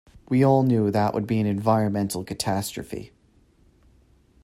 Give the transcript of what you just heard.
We all knew that would be an environmental catastrophe.